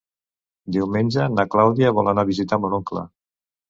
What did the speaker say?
Diumenge na Clàudia vol anar a visitar mon oncle.